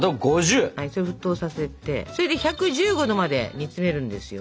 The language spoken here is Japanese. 沸騰させて１１５℃まで煮詰めるんですよ。